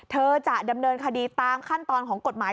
จะดำเนินคดีตามขั้นตอนของกฎหมาย